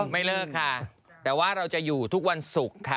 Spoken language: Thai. ไม่เลิกค่ะแต่ว่าเราจะอยู่ทุกวันศุกร์ค่ะ